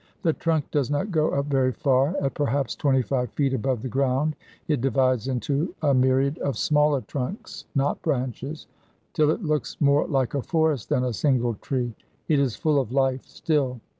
The trunk does not go up very far. At perhaps twenty five feet above the ground it divides into a myriad of smaller trunks, not branches, till it looks more like a forest than a single tree; it is full of life still.